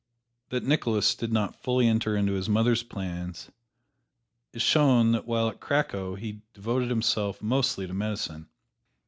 That Nicholas did not fully enter into his mother's plans is shown that while at Cracow he devoted himself mostly to medicine.